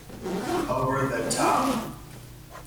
Over the Top!